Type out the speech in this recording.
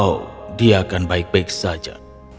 oh dia akan baik baik saja